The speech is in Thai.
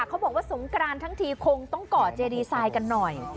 เขาบอกว่าสงกรานทั้งทีคงต้องก่อเจดีไซน์กันหน่อย